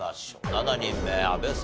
７人目阿部さん